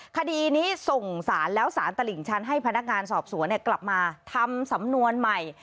คดีนี้ส่งสารแล้วสารตลิ่งชั้นให้พนักงานสอบสวนกลับมาทำสำนวนใหม่